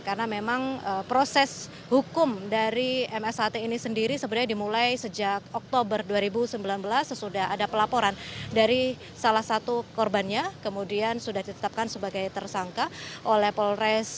karena memang proses hukum dari msat ini sendiri sebenarnya dimulai sejak oktober dua ribu sembilan belas sesudah ada pelaporan dari salah satu korbannya kemudian sudah ditetapkan sebagai tersangka oleh polres